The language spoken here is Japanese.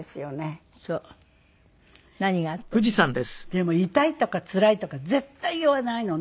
でも痛いとかつらいとか絶対言わないのね。